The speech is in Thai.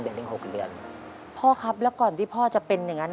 เดือนถึง๖เดือนพ่อครับแล้วก่อนที่พ่อจะเป็นอย่าง